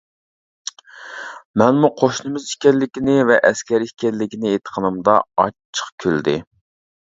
مەنمۇ قوشنىمىز ئىكەنلىكىنى ۋە ئەسكەر ئىكەنلىكىنى ئېيتقىنىمدا ئاچچىق كۈلدى.